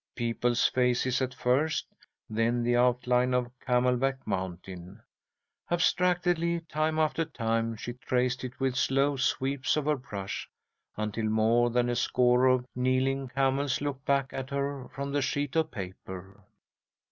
People's faces at first, then the outline of Camelback Mountain. Abstractedly, time after time, she traced it with slow sweeps of her brush until more than a score of kneeling camels looked back at her from the sheet of paper.